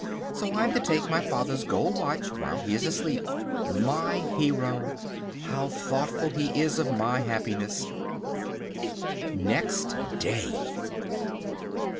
So I am to take my father's gold watch while he is asleep. My hero! How thoughtful he is of my happiness. Next Day.